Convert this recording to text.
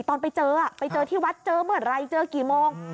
ตอนไปเจอที่วัดเจอเมื่อไรเจอกี่โมง